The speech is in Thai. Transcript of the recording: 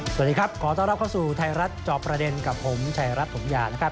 สวัสดีครับขอต้อนรับเข้าสู่ไทยรัฐจอบประเด็นกับผมชายรัฐถมยานะครับ